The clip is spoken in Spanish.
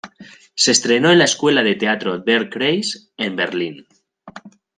Se entrenó en la escuela de teatro "Der Kreis", en Berlín.